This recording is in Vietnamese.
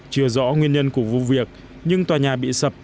chưa rõ nguyên nhân của vụ việc nhưng tòa nhà bị sập